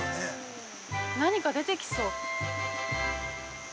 何か出てきそう。